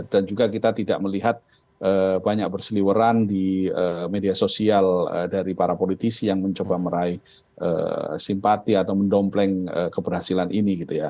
dan juga kita tidak melihat banyak berseliweran di media sosial dari para politisi yang mencoba meraih simpati atau mendompleng keberhasilan ini